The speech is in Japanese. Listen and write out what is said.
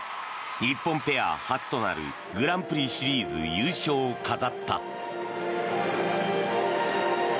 日本ペア初となるグランプリシリーズ優勝を飾った。